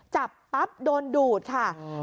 จับปั๊บโดนดูดค่ะ